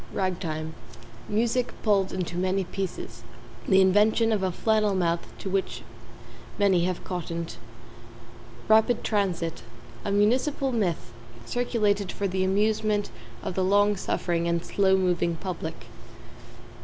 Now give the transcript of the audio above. =RAG TIME= Music pulled into many pieces the invention of a flannel mouth to which many have cottoned. =RAPID TRANSIT= A municipal myth, circulated for the amusement of the long suffering and slow moving public.